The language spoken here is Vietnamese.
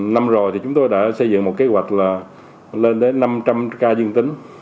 năm rồi thì chúng tôi đã xây dựng một kế hoạch là lên đến năm trăm linh ca dương tính